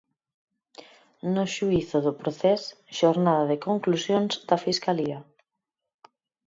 No xuízo do Procés, xornada de conclusións da Fiscalía.